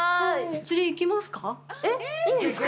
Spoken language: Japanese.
釣り行きますか？